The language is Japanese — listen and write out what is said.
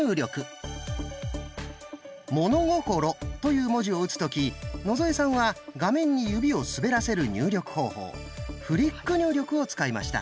「物心」という文字を打つ時野添さんは画面に指を滑らせる入力方法「フリック入力」を使いました。